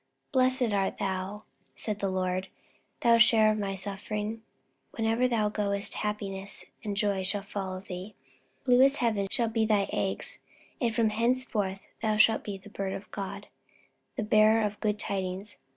"Blessed be thou," said the Lord, "thou sharer of my suffering. Wherever thou goest happiness and joy shall follow thee. Blue as the heaven shall be thy eggs, and from henceforth thou shalt be the Bird of God, the bearer of good tidings.